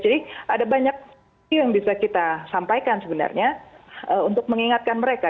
jadi ada banyak hal yang bisa kita sampaikan sebenarnya untuk mengingatkan mereka